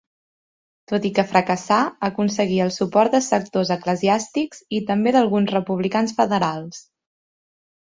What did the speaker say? Tot i que fracassà aconseguí el suport de sectors eclesiàstics i també d'alguns republicans federals.